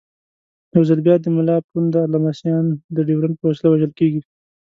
یو ځل بیا د ملا پوونده لمسیان د ډیورنډ په وسیله وژل کېږي.